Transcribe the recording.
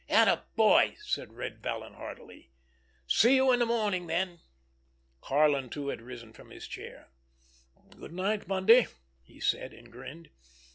"Attaboy!" said Red Vallon heartily. "See you in the morning, then." Karlin too had risen from his chair. "Good night, Bundy!" he said—and grinned.